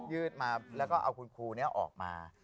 ยืดมาแล้วก็เอาคุณครูนี้ออกมา